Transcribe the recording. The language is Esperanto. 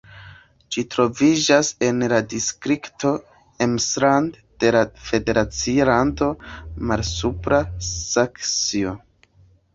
Ĝi troviĝas en la distrikto Emsland de la federacia lando Malsupra Saksio.